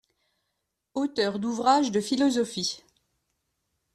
Auteur d'ouvrages de philosophie.